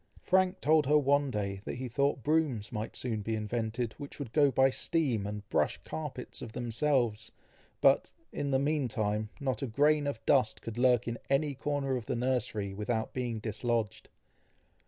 Frank told her one day that he thought brooms might soon be invented, which would go by steam and brush carpets of themselves, but, in the meantime, not a grain of dust could lurk in any corner of the nursery without being dislodged.